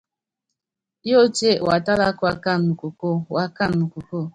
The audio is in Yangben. Yótíe watála ákuákana nukokóo, uákana nukokóo.